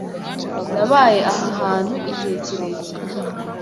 Nabaye aha hantu igihe kirekire.